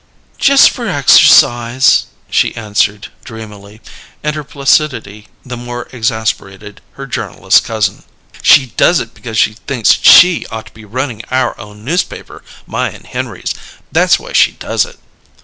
"Just for exercise," she answered dreamily; and her placidity the more exasperated her journalist cousin. "She does it because she thinks she ought to be runnin' our own newspaper, my and Henry's; that's why she does it!